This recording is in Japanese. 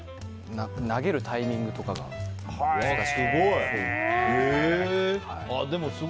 投げるタイミングとかが難しいです。